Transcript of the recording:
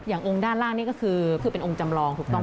องค์ด้านล่างนี่ก็คือเป็นองค์จำลองถูกต้อง